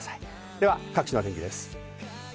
では、各地の天気です。